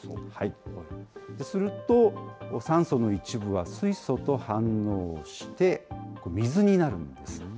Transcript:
すると、酸素の一部は水素と反応して、水になるんです。